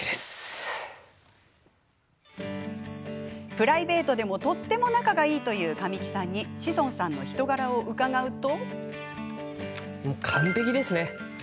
プライベートでもとっても仲がいいという神木さんに志尊さんの人柄を伺うと。